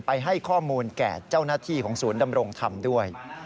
ให้ข้อมูลแก่เจ้าหน้าที่ของศูนย์ดำรงธรรมด้วย